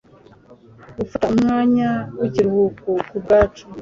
gufata umwanya w'ikiruhuko ku bwacu